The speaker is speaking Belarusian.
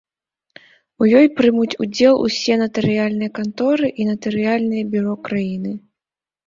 У ёй прымуць удзел усе натарыяльныя канторы і натарыяльныя бюро краіны.